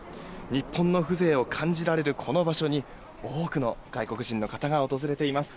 日本の風情を感じられるこの場所に多くの外国人の方が訪れています。